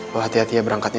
menangis tadi juga pada loh ya